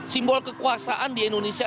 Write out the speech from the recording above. simbol kekuasaan di indonesia